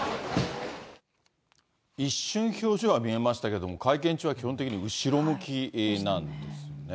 一瞬表情は見えましたけど、会見中は基本的に後ろ向きなんですね。